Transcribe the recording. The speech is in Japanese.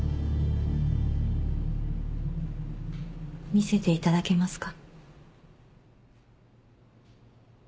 見せていただけますか？